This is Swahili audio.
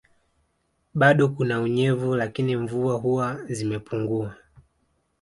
Bado kuna unyevu lakini mvua huwa zimepunguwa